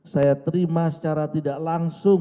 saya terima secara tidak langsung